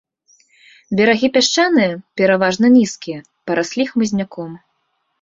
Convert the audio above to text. Берагі пясчаныя, пераважна нізкія, параслі хмызняком.